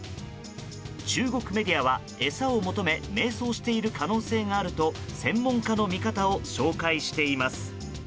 中国メディアは、餌を求め迷走している可能性があると専門家の見方を紹介しています。